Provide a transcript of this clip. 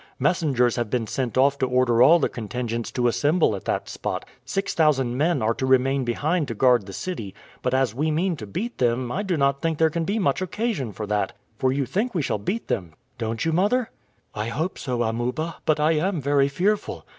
Messengers have been sent off to order all the contingents to assemble at that spot. Six thousand men are to remain behind to guard the city, but as we mean to beat them I do not think there can be much occasion for that; for you think we shall beat them don't you, mother?" "I hope so, Amuba, but I am very fearful."